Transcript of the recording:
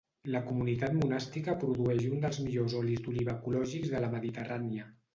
La comunitat monàstica produeix un dels millors olis d'oliva ecològics de la Mediterrània.